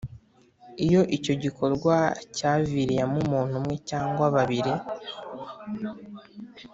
iyo icyo gikorwa cyaviriyemo umuntu umwe cyangwa babiri